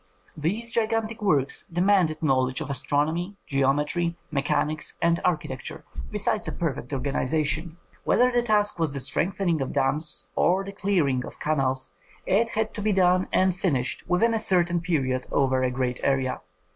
These gigantic works demanded knowledge of astronomy, geometry, mechanics, and architecture, besides a perfect organization. Whether the task was the strengthening of dams or the clearing of canals, it had to be done and finished within a certain period over a great area.